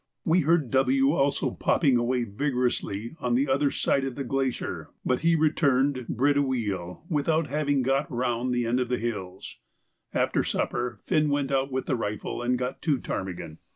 We heard W. also popping away vigorously on the other side of the glacier, but he returned bredouille without having got round the end of the hills. After supper Finn went out with the rifle and got two ptarmigan.